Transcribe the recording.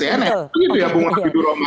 itu gitu ya bung raffi duroma